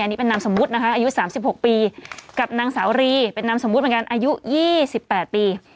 อันนี้เป็นนำสมบุตรนะคะอายุสามสิบหกปีกับนางสาวรีเป็นนำสมบุตรเหมือนกันอายุยี่สิบแปดปี